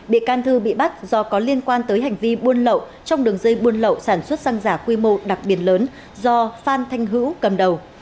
bị can thư bị bắt do có liên quan tới hành vi buôn lậu trong đường dây buôn lậu sản xuất xăng giả quy mô đặc biệt lớn do phan thanh hữu cầm đầu